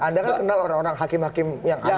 anda kan kenal orang orang hakim hakim yang ada